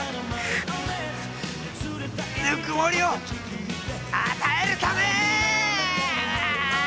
ぬくもりを与えるため！